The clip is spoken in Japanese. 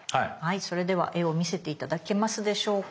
それでは絵を見せて頂けますでしょうか。